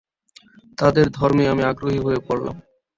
তাদের ধর্মে আমি আগ্রহী হয়ে পড়লাম।